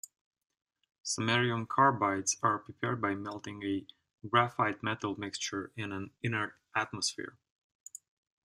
Samarium carbides are prepared by melting a graphite-metal mixture in an inert atmosphere.